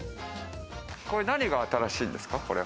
これ、何が新しいんですか？